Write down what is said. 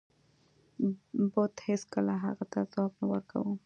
بت هیڅکله هغه ته ځواب نه ورکاو.